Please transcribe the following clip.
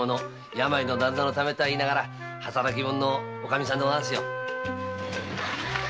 病の旦那のためとはいえ働き者のおかみさんですよ。